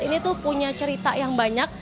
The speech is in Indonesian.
ini tuh punya cerita yang banyak